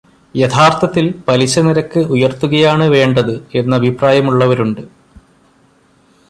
യഥാർത്ഥത്തിൽ പലിശനിരക്ക് ഉയർത്തുകയാണ് വേണ്ടത് എന്ന് അഭിപ്രായമുള്ളവരുണ്ട്.